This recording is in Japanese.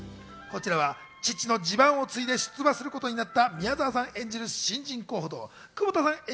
こちらは父の地盤を継いで出馬することになった宮沢さん演じる新人候補と窪田さん